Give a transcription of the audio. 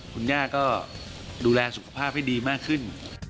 คุณย่าก็ดูแลสุขภาพให้ดีมากขึ้น